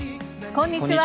こんにちは。